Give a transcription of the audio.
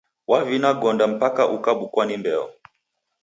Wavina gonda mpaka ukabukwa ni mbeo.